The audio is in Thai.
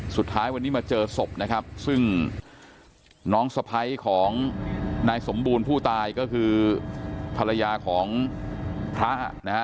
สุดท้ายวันนี้มาเจอศพนะครับซึ่งน้องสะพ้ายของนายสมบูรณ์ผู้ตายก็คือภรรยาของพระนะฮะ